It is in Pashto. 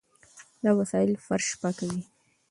دا وسایل فرش پاکوي.